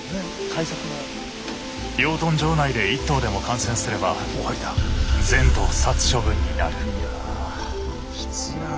養豚場内で１頭でも感染すれば全頭殺処分になる。